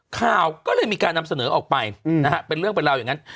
ข่าวก็เลยมีการนำเสนอออกไปนะฮะเป็นเรื่องเป็นราวอย่างนั้น